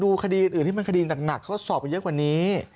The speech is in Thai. คดีอื่นที่มันคดีหนักเขาสอบไปเยอะกว่านี้